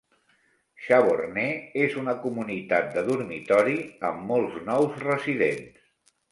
Chavornay és una comunitat de dormitori amb molts nous residents.